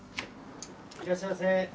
いらっしゃいませ。